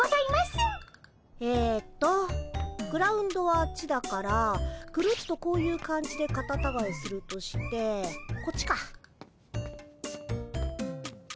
えっとグラウンドはあっちだからぐるっとこういう感じでカタタガエするとしてこっちか。